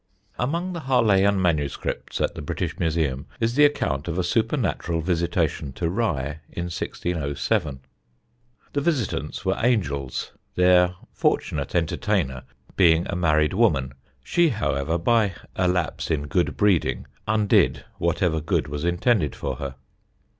[Sidenote: THE ANGEL'S FAN] Among the Harleian MSS. at the British Museum is the account of a supernatural visitation to Rye in 1607. The visitants were angels, their fortunate entertainer being a married woman. She, however, by a lapse in good breeding, undid whatever good was intended for her.